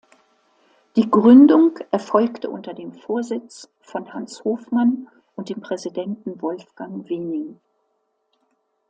Die Gründung erfolgte unter dem Vorsitz von Hans Hofmann und dem Präsidenten Wolfgang Wening.